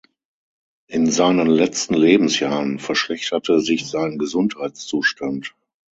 In seinen letzten Lebensjahren verschlechterte sich sein Gesundheitszustand.